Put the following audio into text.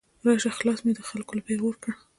راشه خلاصه مې د خلګو له پیغور کړه